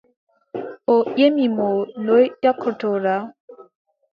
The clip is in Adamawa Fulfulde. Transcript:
O ƴemi mo: noy ƴakkortoɗa ?